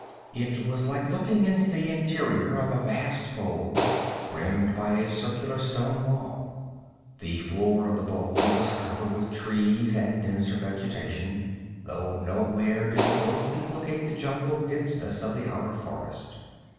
It was like looking into the interior of a vast bowl, rimmed by a circular stone wall. The floor of the bowl was covered with trees and denser vegetation, though nowhere did the growth duplicate the jungle denseness of the outer forest.